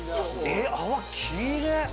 えっ泡きれい。